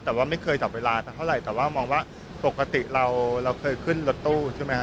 แต่ว่าไม่เคยจับเวลาสักเท่าไหร่แต่ว่ามองว่าปกติเราเคยขึ้นรถตู้ใช่ไหมฮ